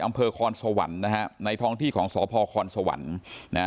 อำเภอคอนสวรรค์นะฮะในท้องที่ของสพคสวรรค์นะฮะ